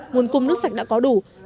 nguồn cung nước sạch đã có đủ